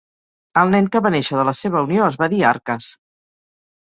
El nen que va néixer de la seva unió es va dir Arcas.